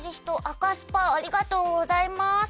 赤スパありがとうございます。